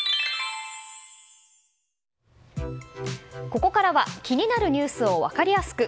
ここからは気になるニュースを分かりやすく。